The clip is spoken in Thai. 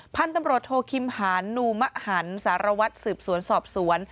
พันธุ์ตำรวจโทคิมหานูมหันสารวัตรสืบสวนสอบสวน